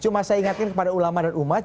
cuma saya ingatkan kepada ulama dan umat